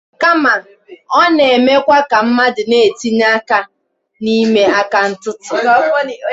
kama na ọ na-emekwa ka mmadụ na-etinye aka n'ime aka ntụtụ